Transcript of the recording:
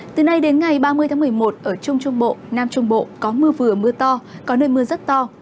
từ nay đến ngày ba mươi tháng một mươi một ở trung trung bộ nam trung bộ có mưa vừa mưa to có nơi mưa rất to